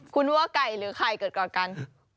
คุณว่าไก่หรือไข่เกิดก่อนกัน